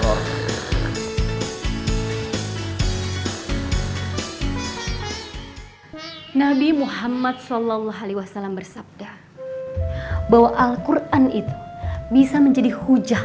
hai nabi muhammad shallallahu alaihi wasallam bersabda bahwa alquran itu bisa menjadi hujah